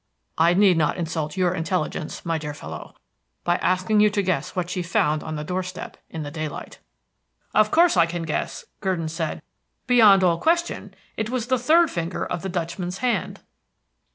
I need not insult your intelligence, my dear fellow, by asking you to guess what she found on the doorstep in the daylight." "Of course, I can guess," Gurdon said. "Beyond all question, it was the third finger of the Dutchman's hand."